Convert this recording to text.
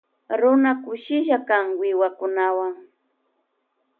Runa kushilla kan wiwakunawan.